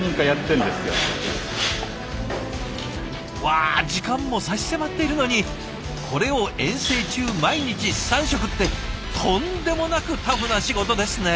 わ時間も差し迫っているのにこれを遠征中毎日３食ってとんでもなくタフな仕事ですね。